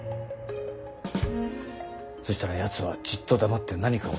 そしたらやつはじっと黙って何かを考えていたって。